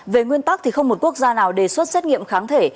về nguyên tắc thì không một quốc gia nào đề xuất xét nghiệm kháng thể